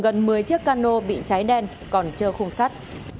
gần một mươi chiếc cano bị cháy đen còn trơ khung sắt